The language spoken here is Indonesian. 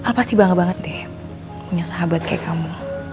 al pasti bangga banget deh punya sahabat kayak kamu